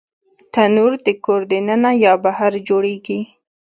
تنور د کور دننه یا بهر جوړېږي